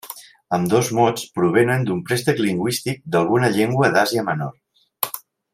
Ambdós mots provenen d'un préstec lingüístic d'alguna llengua d'Àsia Menor.